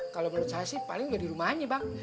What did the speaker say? kalau menurut saya sih paling udah di rumah aja bang